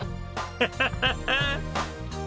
ハハハハッ！